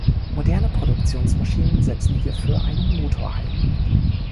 Moderne Produktionsmaschinen setzen hierfür einen Motor ein.